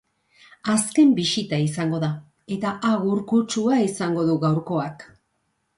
Azken bisita izango da, eta agur kutsua izango du gaurkoak.